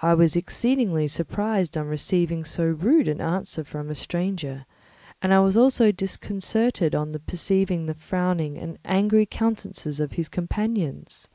I was exceedingly surprised on receiving so rude an answer from a stranger, and I was also disconcerted on perceiving the frowning and angry countenances of his companions.